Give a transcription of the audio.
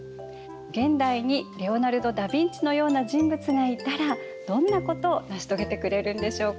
現代にレオナルド・ダ・ヴィンチのような人物がいたらどんなことを成し遂げてくれるんでしょうか。